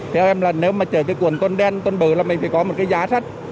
theo em là nếu mà chở cái cuộn tôn đen tôn bự là mình phải có một cái giá sắt